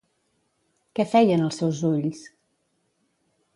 Què feien els seus ulls?